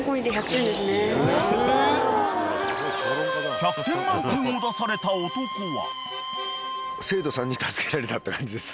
［１００点満点を出された男は？］